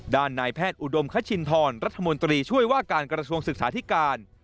นายแพทย์อุดมคชินทรรัฐมนตรีช่วยว่าการกระทรวงศึกษาธิการ